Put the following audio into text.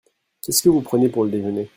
Qu'est-ce que vous prenez pour le déjeuner ?